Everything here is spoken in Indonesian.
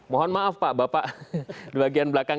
mohon maaf pak bapak di bagian belakang